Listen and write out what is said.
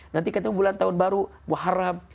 nanti ketemu bulan tahun baru muharram